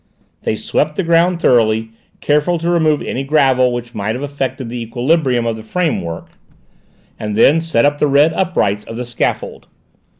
They swept the ground thoroughly, careful to remove any gravel which might have affected the equilibrium of the framework, and then set up the red uprights of the scaffold.